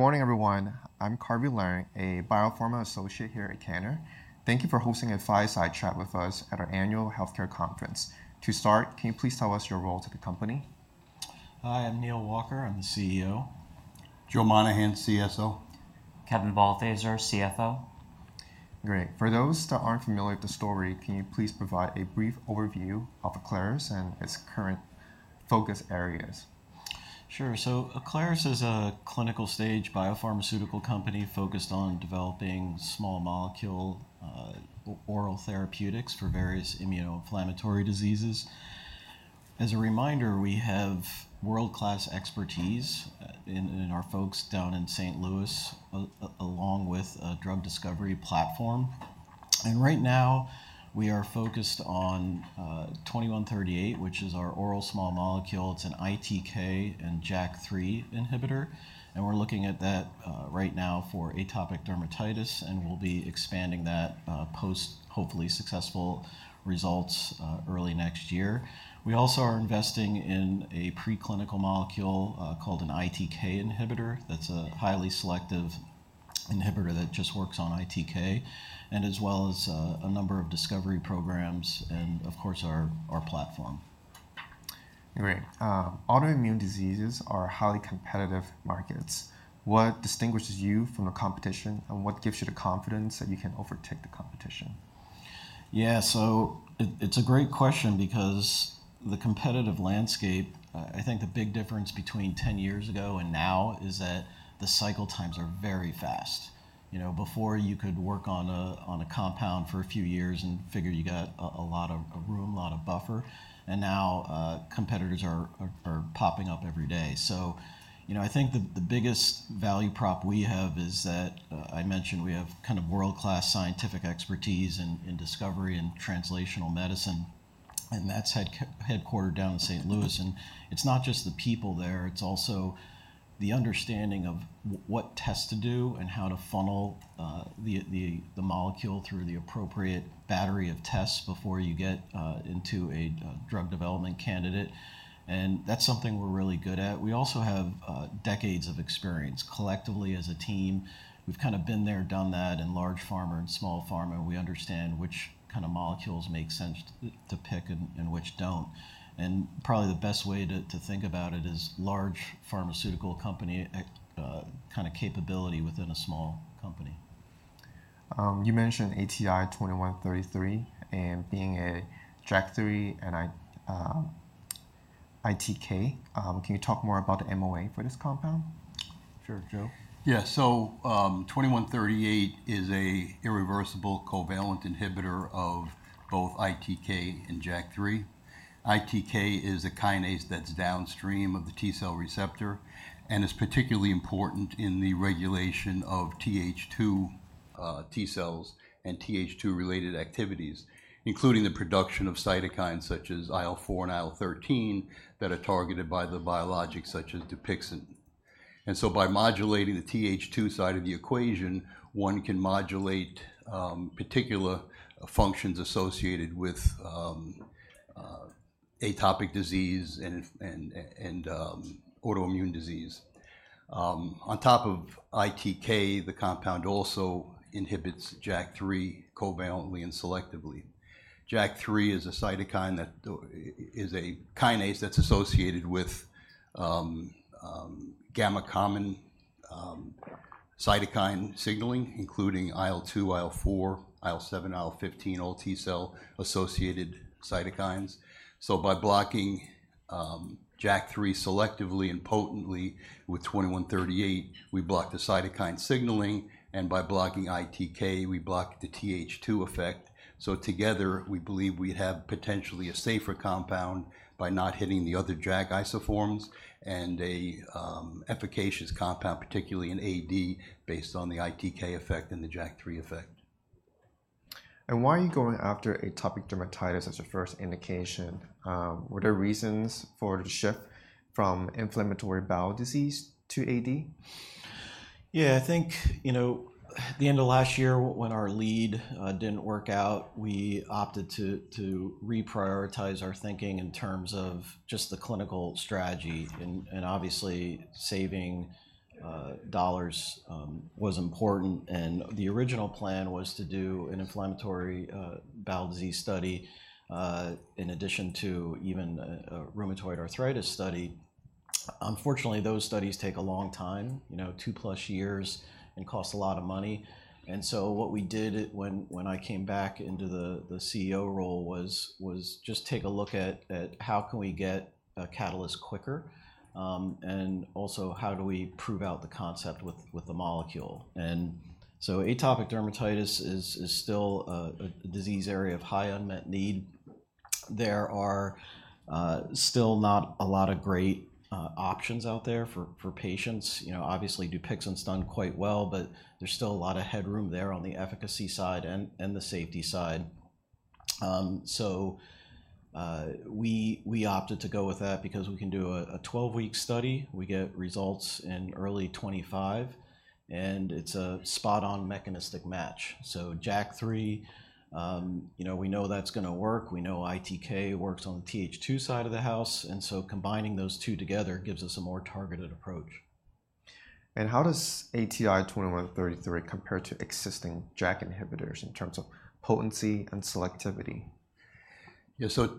Good morning, everyone. I'm Carvey Leung, a Biopharma Associate here at Cantor. Thank you for hosting a fireside chat with us at our Annual Healthcare Conference. To start, can you please tell us your role to the company? Hi, I'm Neal Walker. I'm the CEO. Joe Monahan, CSO. Kevin Balthaser, CFO. Great. For those that aren't familiar with the story, can you please provide a brief overview of Aclaris and its current focus areas? Sure. So Aclaris is a clinical stage biopharmaceutical company focused on developing small molecule, oral therapeutics for various immunoinflammatory diseases. As a reminder, we have world-class expertise in our folks down in St. Louis, along with a drug discovery platform. And right now, we are focused on ATI-2138, which is our oral small molecule. It's an ITK and JAK3 inhibitor, and we're looking at that right now for atopic dermatitis, and we'll be expanding that post, hopefully successful results early next year. We also are investing in a preclinical molecule called an ITK inhibitor. That's a highly selective inhibitor that just works on ITK, and as well as a number of discovery programs and of course, our platform. Great. Autoimmune diseases are highly competitive markets. What distinguishes you from the competition, and what gives you the confidence that you can overtake the competition? Yeah, so it's a great question because the competitive landscape. I think the big difference between 10 years ago and now is that the cycle times are very fast. You know, before you could work on a compound for a few years and figure you got a lot of room, a lot of buffer, and now, competitors are popping up every day. So, you know, I think the biggest value prop we have is that I mentioned we have kind of world-class scientific expertise in discovery and translational medicine, and that's headquartered down in St. Louis. And it's not just the people there, it's also the understanding of what tests to do and how to funnel the molecule through the appropriate battery of tests before you get into a drug development candidate, and that's something we're really good at. We also have decades of experience. Collectively as a team, we've kind of been there, done that in large pharma and small pharma. We understand which kind of molecules make sense to pick and which don't. And probably the best way to think about it is large pharmaceutical company at kind of capability within a small company. You mentioned ATI-2138 and being a JAK3 and ITK. Can you talk more about the MOA for this compound? Sure, Joe? Yeah. So, ATI-2138 is an irreversible covalent inhibitor of both ITK and JAK3. ITK is a kinase that's downstream of the T-cell receptor and is particularly important in the regulation of Th2 T cells and Th2 related activities, including the production of cytokines such as IL-4 and IL-13, that are targeted by the biologics such as Dupixent. And so by modulating the Th2 side of the equation, one can modulate particular functions associated with atopic disease and autoimmune disease. On top of ITK, the compound also inhibits JAK3 covalently and selectively. JAK3 is a cytokine that is a kinase that's associated with common gamma cytokine signaling, including IL-2, IL-4, IL-7, IL-15, all T cell-associated cytokines. So by blocking JAK3 selectively and potently with ATI-2138, we block the cytokine signaling, and by blocking ITK, we block the Th2 effect. So together, we believe we have potentially a safer compound by not hitting the other JAK isoforms and a efficacious compound, particularly in AD, based on the ITK effect and the JAK3 effect. Why are you going after atopic dermatitis as your first indication? Were there reasons for the shift from inflammatory bowel disease to AD? Yeah, I think, you know, at the end of last year, when our lead didn't work out, we opted to reprioritize our thinking in terms of just the clinical strategy and obviously, saving dollars was important, and the original plan was to do an inflammatory bowel disease study in addition to even a rheumatoid arthritis study. Unfortunately, those studies take a long time, you know, two-plus years, and cost a lot of money. And so what we did when I came back into the CEO role was just take a look at how can we get a catalyst quicker, and also, how do we prove out the concept with the molecule? And so atopic dermatitis is still a disease area of high unmet need. There are still not a lot of great options out there for patients. You know, obviously, Dupixent's done quite well, but there's still a lot of headroom there on the efficacy side and the safety side, so we opted to go with that because we can do a twelve-week study. We get results in early 2025 and it's a spot-on mechanistic match, so JAK3, you know, we know that's going to work. We know ITK works on the Th2 side of the house, and so combining those two together gives us a more targeted approach. How does ATI-2138 compare to existing JAK inhibitors in terms of potency and selectivity? Yeah, so,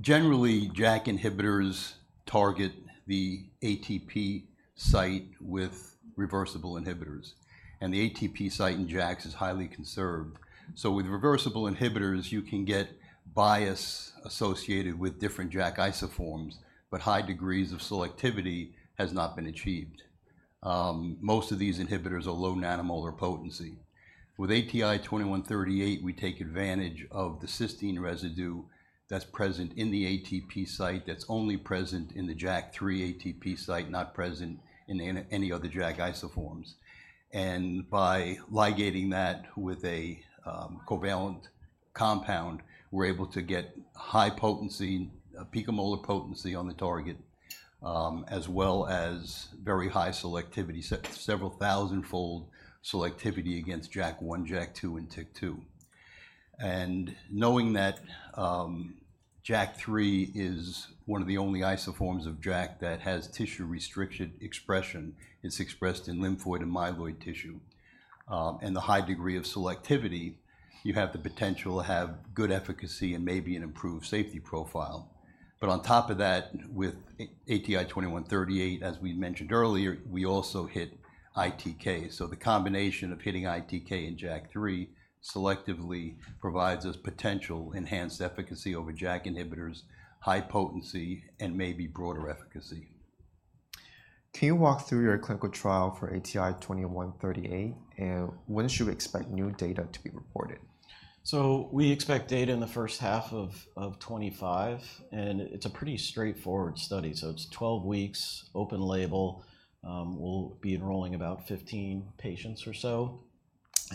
generally, JAK inhibitors target the ATP site with reversible inhibitors, and the ATP site in JAKs is highly conserved. So with reversible inhibitors, you can get bias associated with different JAK isoforms, but high degrees of selectivity has not been achieved. Most of these inhibitors are low nanomolar potency. With ATI-2138, we take advantage of the cysteine residue that's present in the ATP site, that's only present in the JAK3 ATP site, not present in any other JAK isoforms. And by ligating that with a covalent compound, we're able to get high potency, picomolar potency on the target, as well as very high selectivity, several thousand-fold selectivity against JAK1, JAK2, and TYK2. Knowing that, JAK3 is one of the only isoforms of JAK that has tissue-restricted expression. It's expressed in lymphoid and myeloid tissue, and the high degree of selectivity. You have the potential to have good efficacy and maybe an improved safety profile. On top of that, with ATI-2138, as we mentioned earlier, we also hit ITK. The combination of hitting ITK and JAK3 selectively provides us potential enhanced efficacy over JAK inhibitors, high potency, and maybe broader efficacy. Can you walk through your clinical trial for ATI-2138, and when should we expect new data to be reported? We expect data in the first half of 2025, and it's a pretty straightforward study. It's 12 weeks, open-label. We'll be enrolling about 15 patients or so,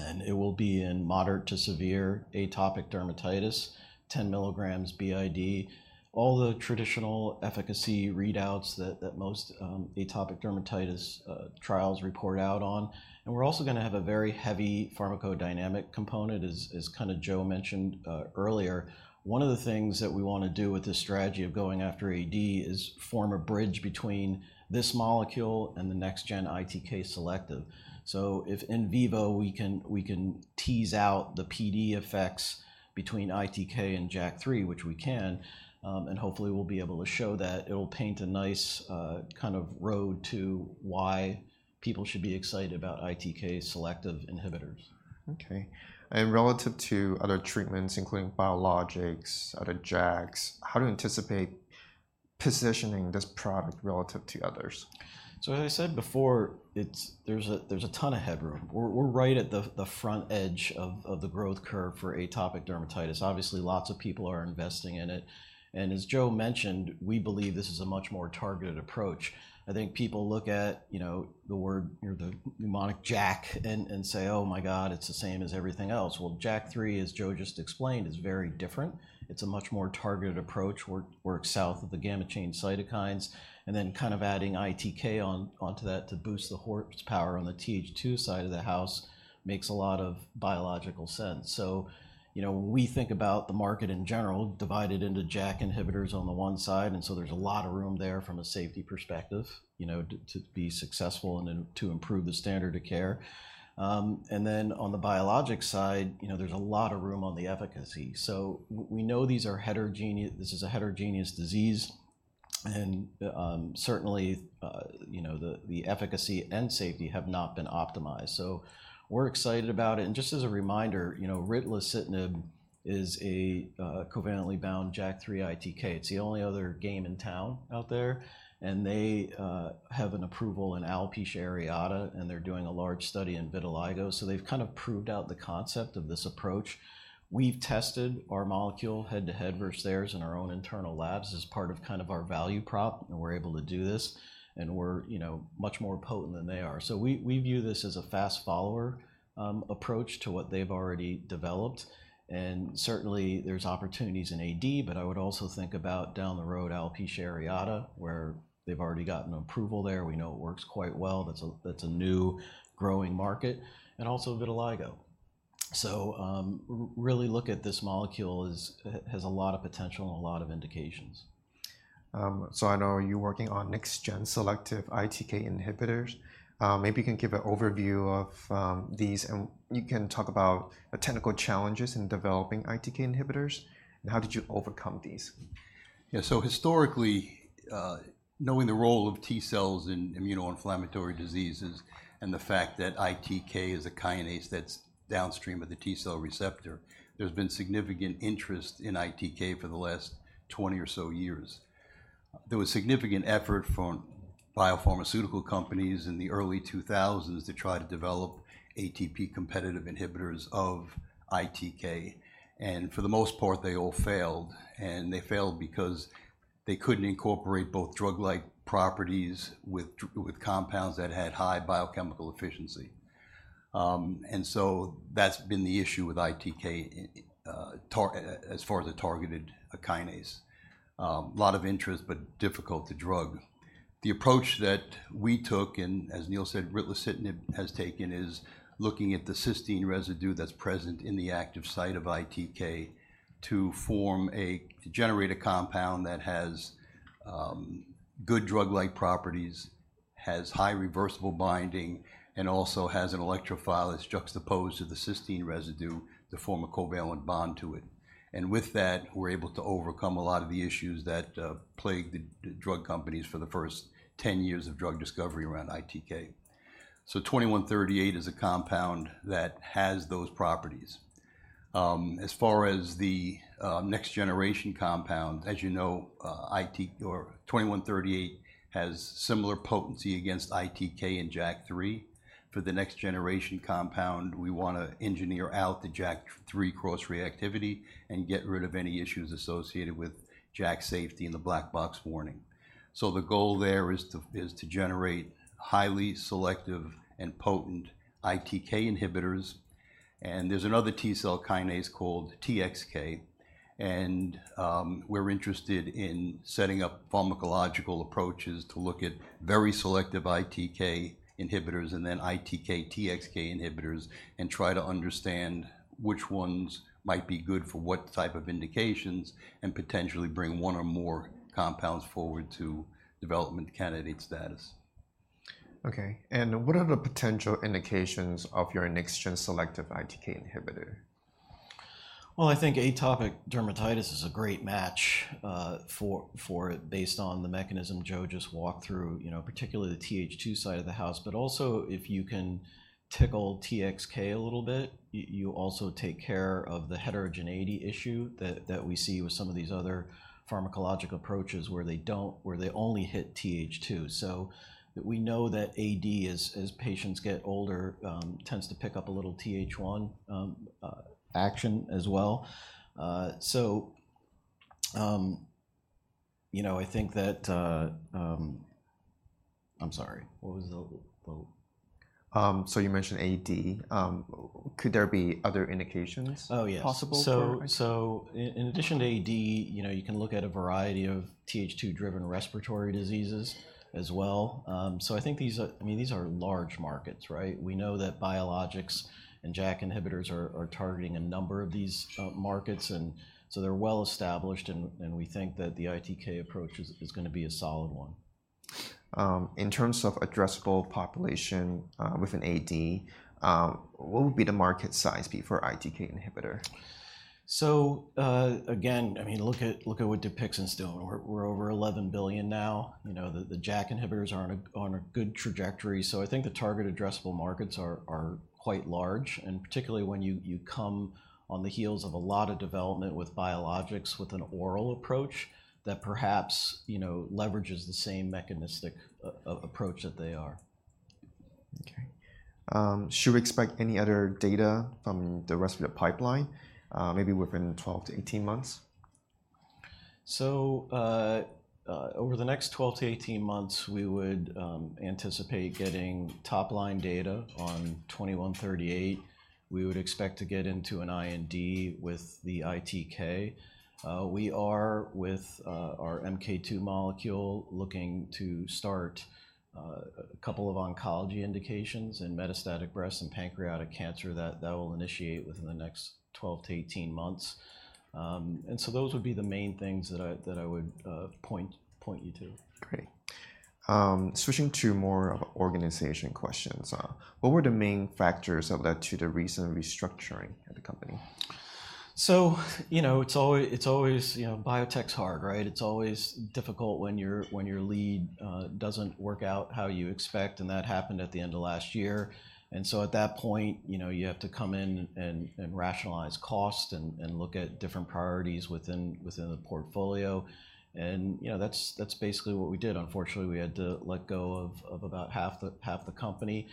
and it will be in moderate to severe atopic dermatitis, 10 milligrams BID, all the traditional efficacy readouts that most atopic dermatitis trials report out on. We're also going to have a very heavy pharmacodynamic component, as kind of Joe mentioned earlier. One of the things that we want to do with this strategy of going after AD is form a bridge between this molecule and the next-gen ITK selective. So if in vivo we can tease out the PD effects between ITK and JAK3, which we can, and hopefully we'll be able to show that it'll paint a nice kind of road to why people should be excited about ITK selective inhibitors. Okay. And relative to other treatments, including biologics, other JAKs, how do you anticipate positioning this product relative to others? So as I said before, there's a ton of headroom. We're right at the front edge of the growth curve for atopic dermatitis. Obviously, lots of people are investing in it. And as Joe mentioned, we believe this is a much more targeted approach. I think people look at, you know, the word, you know, the mnemonic JAK and say, "Oh, my God, it's the same as everything else." Well, JAK3, as Joe just explained, is very different. It's a much more targeted approach, works south of the gamma chain cytokines, and then kind of adding ITK onto that to boost the horsepower on the Th2 side of the house makes a lot of biological sense. So, you know, we think about the market in general, divided into JAK inhibitors on the one side, and so there's a lot of room there from a safety perspective, you know, to be successful and then to improve the standard of care, and then on the biologic side, you know, there's a lot of room on the efficacy, so we know these are heterogeneous. This is a heterogeneous disease, and certainly, you know, the efficacy and safety have not been optimized, so we're excited about it, and just as a reminder, you know, ritlecitinib is a covalently bound JAK3/ITK. It's the only other game in town out there, and they have an approval in alopecia areata, and they're doing a large study in vitiligo, so they've kind of proved out the concept of this approach. We've tested our molecule head-to-head versus theirs in our own internal labs as part of kind of our value prop, and we're able to do this, and we're, you know, much more potent than they are. So we view this as a fast follower approach to what they've already developed. And certainly, there's opportunities in AD, but I would also think about down the road, alopecia areata, where they've already gotten approval there. We know it works quite well. That's a new growing market, and also vitiligo. So, really look at this molecule has a lot of potential and a lot of indications. So I know you're working on next-gen selective ITK inhibitors. Maybe you can give an overview of these, and you can talk about the technical challenges in developing ITK inhibitors, and how did you overcome these? Yeah, so historically, knowing the role of T cells in immunoinflammatory diseases and the fact that ITK is a kinase that's downstream of the T-cell receptor, there's been significant interest in ITK for the last 20 or so years. There was significant effort from biopharmaceutical companies in the early 2000s to try to develop ATP competitive inhibitors of ITK, and for the most part, they all failed, and they failed because they couldn't incorporate both drug-like properties with compounds that had high biochemical efficiency. And so that's been the issue with ITK as far as a targeted kinase. A lot of interest, but difficult to drug. The approach that we took, and as Neal said, ritlecitinib has taken, is looking at the cysteine residue that's present in the active site of ITK to form a, to generate a compound that has good drug-like properties, has high reversible binding, and also has an electrophile that's juxtaposed to the cysteine residue to form a covalent bond to it, and with that, we're able to overcome a lot of the issues that plagued the drug companies for the first 10 years of drug discovery around ITK, so ATI-2138 is a compound that has those properties. As far as the next generation compound, as you know, ATI-2138 has similar potency against ITK and JAK3. For the next generation compound, we wanna engineer out the JAK3 cross-reactivity and get rid of any issues associated with JAK safety and the black box warning. So the goal there is to generate highly selective and potent ITK inhibitors. And there's another T cell kinase called TXK, and we're interested in setting up pharmacological approaches to look at very selective ITK inhibitors and then ITK/TXK inhibitors, and try to understand which ones might be good for what type of indications, and potentially bring one or more compounds forward to development candidate status. Okay, and what are the potential indications of your next-gen selective ITK inhibitor? I think atopic dermatitis is a great match for it, based on the mechanism Joe just walked through, you know, particularly the Th2 side of the house. But also, if you can tickle TXK a little bit, you also take care of the heterogeneity issue that we see with some of these other pharmacological approaches, where they don't, where they only hit Th2. So we know that AD, as patients get older, tends to pick up a little Th1 action as well. You know, I think that. I'm sorry, what was the- So you mentioned AD. Could there be other indications- Oh, yes. Possible for- So in addition to AD, you know, you can look at a variety of Th2-driven respiratory diseases as well. So I think these are, I mean, these are large markets, right? We know that biologics and JAK inhibitors are targeting a number of these markets, and so they're well established, and we think that the ITK approach is gonna be a solid one. In terms of addressable population, within AD, what would be the market size be for ITK inhibitor? So, again, I mean, look at what Dupixent's doing. We're over $11 billion now. You know, the JAK inhibitors are on a good trajectory, so I think the target addressable markets are quite large, and particularly when you come on the heels of a lot of development with biologics, with an oral approach, that perhaps, you know, leverages the same mechanistic approach that they are. Okay. Should we expect any other data from the rest of the pipeline, maybe within 12-18 months? Over the next 12-18 months, we would anticipate getting top-line data on ATI-2138. We would expect to get into an IND with the ITK. We are with our MK2 molecule looking to start a couple of oncology indications in metastatic breast and pancreatic cancer. That will initiate within the next 12-18 months. And so those would be the main things that I would point you to. Great. Switching to more of organizational questions, what were the main factors that led to the recent restructuring of the company? You know, it's always. You know, biotech's hard, right? It's always difficult when your lead doesn't work out how you expect, and that happened at the end of last year. And so at that point, you know, you have to come in and rationalize cost and look at different priorities within the portfolio, and, you know, that's basically what we did. Unfortunately, we had to let go of about half the company.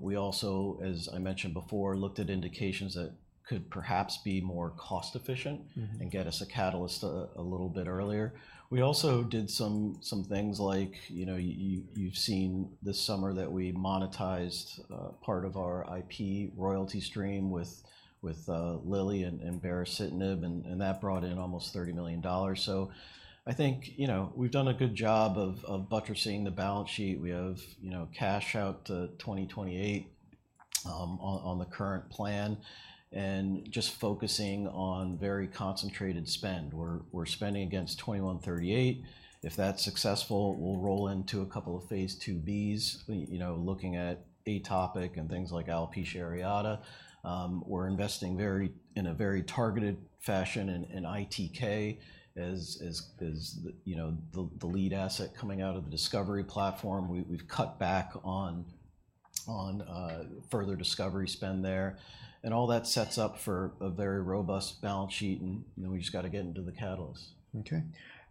We also, as I mentioned before, looked at indications that could perhaps be more cost efficient and get us a catalyst a little bit earlier. We also did some things like, you know, you've seen this summer that we monetized part of our IP royalty stream with Lilly and baricitinib, and that brought in almost $30 million. So I think, you know, we've done a good job of buttressing the balance sheet. We have, you know, cash out to 2028 on the current plan, and just focusing on very concentrated spend. We're spending against ATI-2138. If that's successful, we'll roll into a couple of phase II-B's, you know, looking at atopic and things like alopecia areata. We're investing in a very targeted fashion in ITK as you know, the lead asset coming out of the discovery platform. We've cut back on further discovery spend there, and all that sets up for a very robust balance sheet, and you know, we've just gotta get into the catalyst. Okay,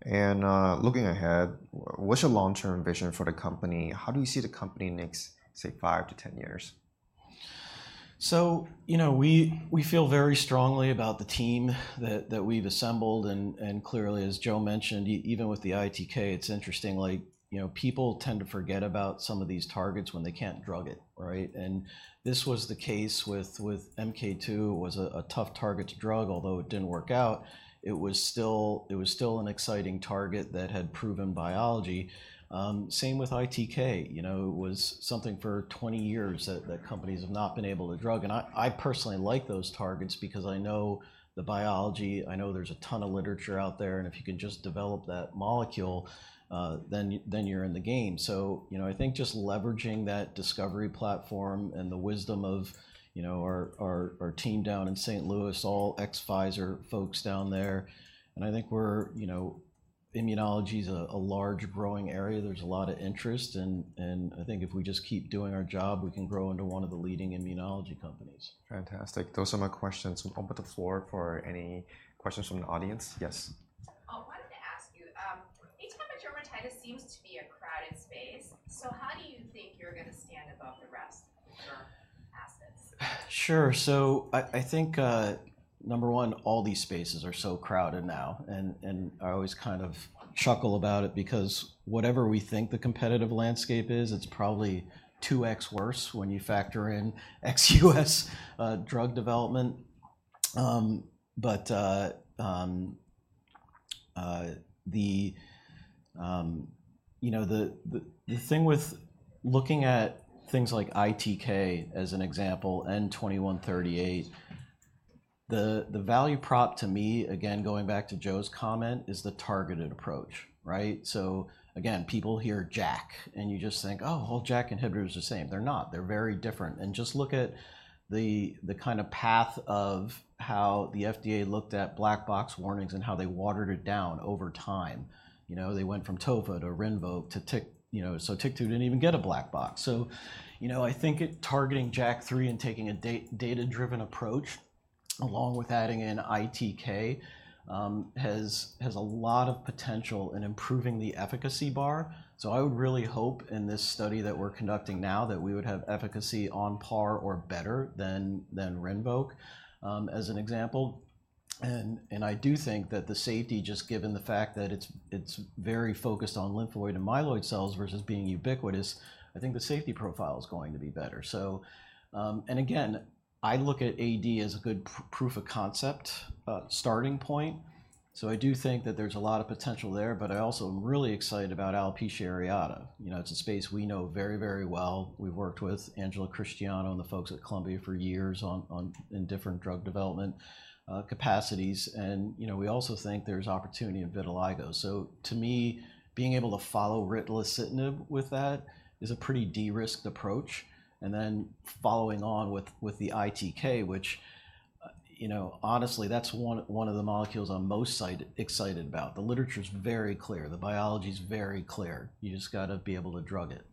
and looking ahead, what's your long-term vision for the company? How do you see the company in the next, say, five to 10 years? So, you know, we feel very strongly about the team that we've assembled, and clearly, as Joe mentioned, even with the ITK, it's interestingly, you know, people tend to forget about some of these targets when they can't drug it, right? And this was the case with MK2, a tough target to drug, although it didn't work out, it was still an exciting target that had proven biology. Same with ITK. You know, it was something for twenty years that companies have not been able to drug. And I personally like those targets because I know the biology, I know there's a ton of literature out there, and if you can just develop that molecule, then you're in the game. So, you know, I think just leveraging that discovery platform and the wisdom of, you know, our team down in St. Louis, all ex-Pfizer folks down there, and I think we're, you know. Immunology's a large growing area. There's a lot of interest, and I think if we just keep doing our job, we can grow into one of the leading immunology companies. Fantastic. Those are my questions. We open the floor for any questions from the audience. Yes. Oh, I wanted to ask you, atopic dermatitis seems to be a crowded space, so how do you think you're going to stand above the rest of your assets? Sure. So I think, number one, all these spaces are so crowded now, and I always kind of chuckle about it because whatever we think the competitive landscape is, it's probably two X worse when you factor in ex U.S. drug development. You know, the thing with looking at things like ITK, as an example, and 2138, the value prop to me, again, going back to Joe's comment, is the targeted approach, right? So again, people hear JAK, and you just think, "Oh, all JAK inhibitor is the same." They're not. They're very different, and just look at the kind of path of how the FDA looked at black box warnings and how they watered it down over time. You know, they went from Tofa to Rinvoq to TEC, you know, so ritlecitinib didn't even get a black box. So, you know, I think it targeting JAK3 and taking a data-driven approach, along with adding in ITK, has a lot of potential in improving the efficacy bar. So I would really hope in this study that we're conducting now, that we would have efficacy on par or better than Rinvoq, as an example. And I do think that the safety, just given the fact that it's very focused on lymphoid and myeloid cells versus being ubiquitous, I think the safety profile is going to be better. So. And again, I look at AD as a good proof of concept, starting point. So I do think that there's a lot of potential there, but I also am really excited about alopecia areata. You know, it's a space we know very, very well. We've worked with Angela Christiano and the folks at Columbia for years on, in different drug development capacities, and you know, we also think there's opportunity in vitiligo. So to me, being able to follow ritlecitinib with that is a pretty de-risked approach, and then following on with the ITK, which, you know, honestly, that's one of the molecules I'm most excited about. The literature is very clear, the biology is very clear. You just got to be able to drug it.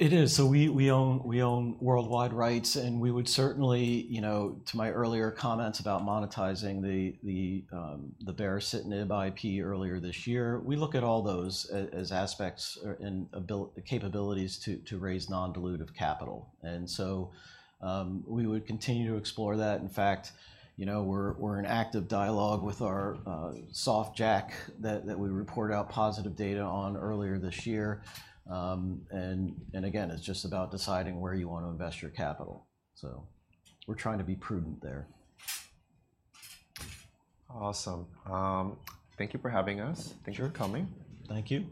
I have another question. So what about the international rights? Is that something that you have for your compounds and something you can monetize or you think about monetizing? How does that work? It is. So we own worldwide rights, and we would certainly, you know, to my earlier comments about monetizing the baricitinib IP earlier this year, we look at all those as aspects or and capabilities to raise non-dilutive capital. And so we would continue to explore that. In fact, you know, we're in active dialogue with our soft JAK that we reported out positive data on earlier this year. And again, it's just about deciding where you want to invest your capital. So we're trying to be prudent there. Awesome. Thank you for having us. Thank you. Thanks for coming. Thank you.